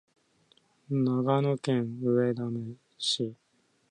長野県上田市